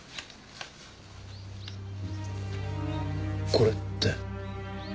これって。